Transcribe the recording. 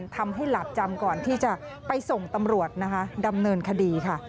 ทำให้หลับจำก่อนที่จะไปส่งตำรวจดำเนินคดีค่ะ